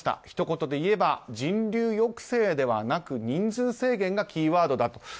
ひと言でいえば人流抑制ではなく人数制限がキーワードだと。